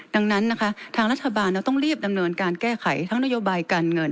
ดังนั้นนะคะทางรัฐบาลเราต้องรีบดำเนินการแก้ไขทั้งนโยบายการเงิน